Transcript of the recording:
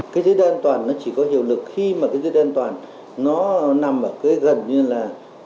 cái dây đen an toàn nó chỉ có hiệu lực khi mà cái dây đen an toàn nó nằm gần như là